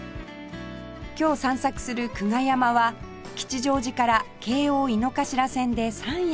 今日散策する久我山は吉祥寺から京王井の頭線で３駅